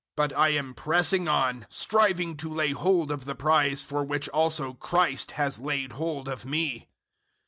But I am pressing on, striving to lay hold of the prize for which also Christ has laid hold of me.